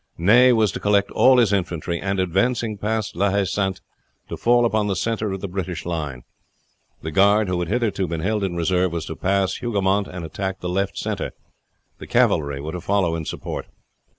Ney was to collect all his infantry, and, advancing past La Haye Sainte, to fall upon the center of the British line. The guard, who had hitherto been held in reserve, was to pass Hougoumont and attack the left center. The cavalry were to follow in support.